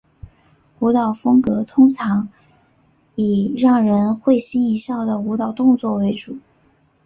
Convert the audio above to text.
舞蹈风格通常以让人会心一笑的舞蹈动作为主。